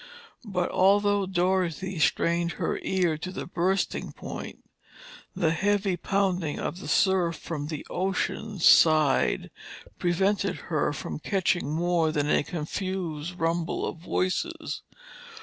But although Dorothy strained her ears to the bursting point, the heavy pounding of the surf from the ocean side prevented her from catching more than a confused rumble of voices.